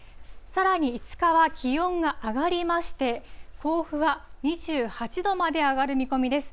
さらに５日は気温が上がりまして、甲府は２８度まで上がる見込みです。